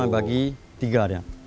bagi tiga dia